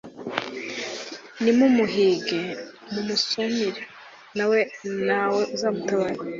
nimumuhige, mumusumire, nta we uzamutabara